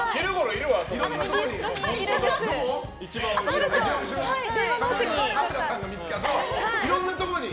いろいろなところに。